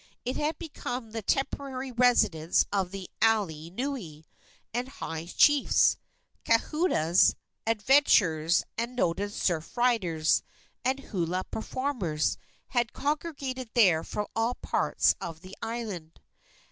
It had become the temporary residence of the alii nui, and high chiefs, kahunas, adventurers, and noted surf riders and hula performers had congregated there from all parts of the island.